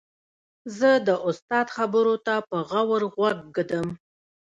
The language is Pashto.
زه د استاد خبرو ته په غور غوږ ږدم.